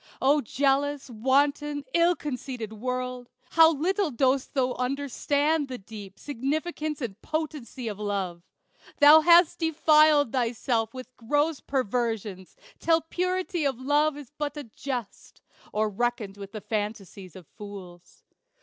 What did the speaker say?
O jealous, wanton, ill conceited World! How little dost thou understand the deep Significance and potency of Love! Thou hast defiled thyself with gross perversions, Till purity of love is but a jest, Or reckoned with the fantasies of fools.